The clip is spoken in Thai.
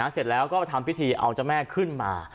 เสร็จแล้วก็ทำพิธีเอาเจ้าแม่ขึ้นมา